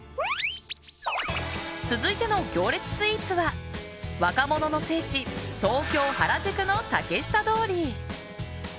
続いての行列スイーツは若者の聖地東京・原宿の竹下通り。